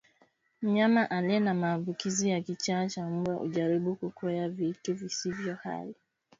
Mnyama aliye na maambukizi ya kichaa cha mbwa hujaribu kukwea vitu visivyo hai